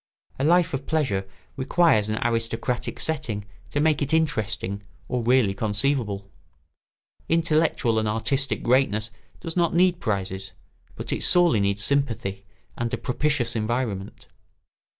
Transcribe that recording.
A life of pleasure requires an aristocratic setting to make it interesting or really conceivable. Intellectual and artistic greatness does not need prizes, but it sorely needs sympathy and a propitious environment.